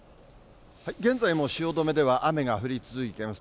現在も汐留では雨が降り続いています。